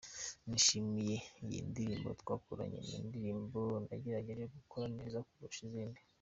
Nishimiye iyi ndirimbo twakoranye, ni indirimbo nagerageje gukora neza kurusha izindi.